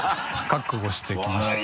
覚悟して来ました。